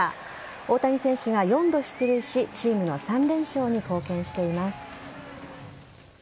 大谷選手は４度出塁しチームの３連勝に貢献しています。